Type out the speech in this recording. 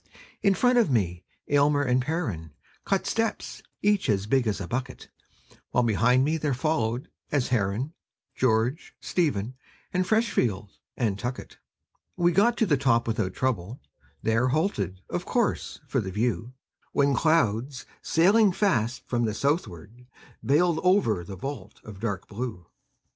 In front of me Almer and Perren Cut steps, each as big as a bucket; While behind me there followed, as Herren, George, Stephen, and Freshfield, and Tuckett. We got to the top without trouble; There halted, of course, for the view; When clouds, sailing fast from the southward, Veiled over the vault of dark blue.